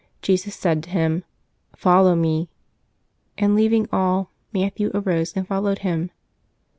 Jesus said to him, "Follow Me;'' and leaving all, Matthew arose and followed Him.